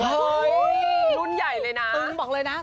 รุ่นใหญ่เลยนะ